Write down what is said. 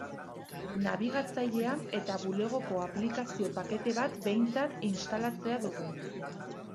Nabigatzailea eta Bulegoko aplikazio-pakete bat behintzat instalatzea dugu.